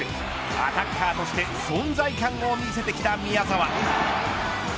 アタッカーとして存在感を見せてきた宮澤。